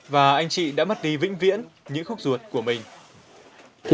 và anh chị đã mất đi vĩnh viễn như khúc ruột của mình